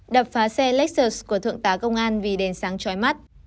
đập phá xe lexus của thượng tá công an vì đèn sáng trói mắt